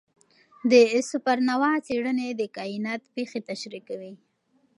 د سوپرنووا څېړنې د کائنات پېښې تشریح کوي.